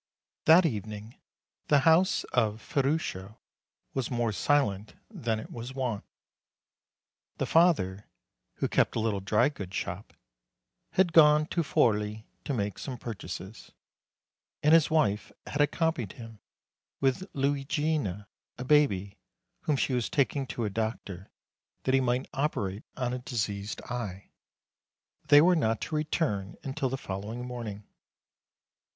That evening the house of Ferruccio was more silent than was its wont. The father, who kept a little dry goods shop, had gone to Forli to make some purchases, and his wife had accompanied him, with Luigina, a baby, whom she was taking to a doctor, that he might operate on a diseased eye; they were not to return until the following morning.